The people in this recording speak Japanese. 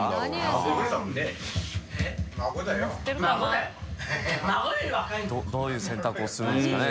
尾上）どういう選択をするんですかね？